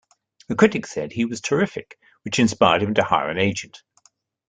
A critic said he was terrific, which inspired him to hire an agent.